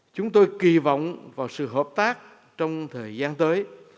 chúng tôi kỳ vọng vào sự hợp tác trong thời gian tới